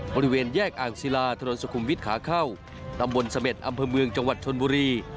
บริเวณแยกอ่างศิลาถนนสุขุมวิทย์ขาเข้าตำบลเสม็ดอำเภอเมืองจังหวัดชนบุรี